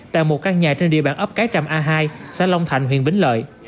tại một căn nhà trên địa bàn ấp cái tràm a hai xã long thạnh huyện vĩnh lợi